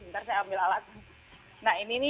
sebentar saya ambil alat